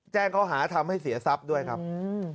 แจ้งเขาหาทำให้เสียทรัพย์ด้วยครับอืม